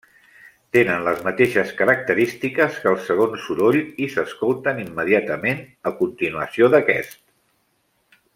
Tenen les mateixes característiques que el segon soroll i s'escolten immediatament a continuació d'aquest.